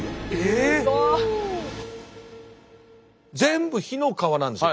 全部火の川なんですよ。